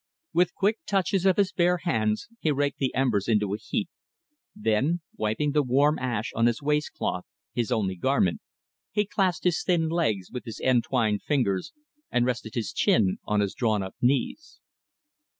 With quick touches of his bare hands he raked the embers into a heap, then, wiping the warm ash on his waistcloth his only garment he clasped his thin legs with his entwined fingers, and rested his chin on his drawn up knees.